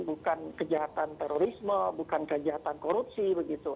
bukan kejahatan terorisme bukan kejahatan korupsi begitu